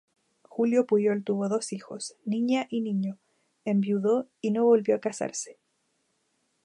Julio Puyol tuvo dos hijos, niña y niño, enviudó y no volvió a casarse.